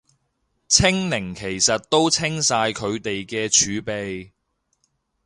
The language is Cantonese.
清零其實都清晒佢哋啲儲備